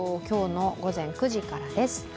今日の午前９時からです。